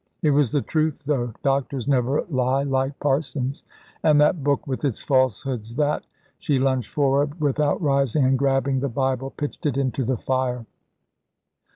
It was the truth, though. Doctors never lie like parsons. And that Book with its falsehoods that " She lunged forward without rising, and grabbing the Bible pitched it into the fire.